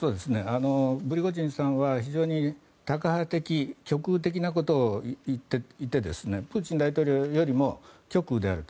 プリゴジンさんは非常にタカ派的、極右的なことを言ってプーチン大統領よりも極右であると。